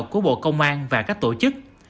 của công an và các tổ chức